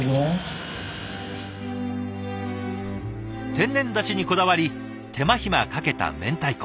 天然だしにこだわり手間ひまかけた明太子。